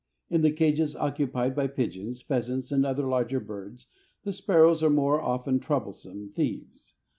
In the cages occupied by pigeons, pheasants, and other larger birds, the sparrows are often troublesome thieves.